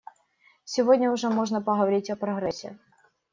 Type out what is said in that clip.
Сегодня уже можно говорить о прогрессе.